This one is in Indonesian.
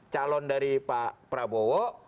calon dari pak prabowo